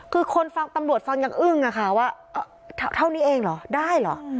คือคนฟังตำรวจฟังยังอึ้งอะค่ะว่าเท่านี้เองเหรอได้เหรอ